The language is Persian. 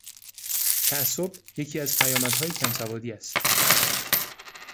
تعصب یکی از پیامدهای کم سوادی است.